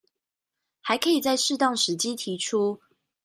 還可以在適當時機提出